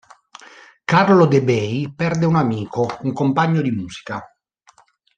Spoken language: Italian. Carlo De Bei perde un amico, un compagno di musica.